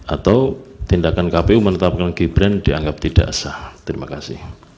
atau tindakan kpu menetapkan gibran dianggap tidak sah terima kasih